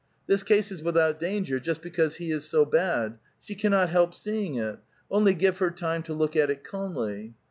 This case is without danger just because he is so bad. She cannot help seeing it ; only give her time to look at it calmly."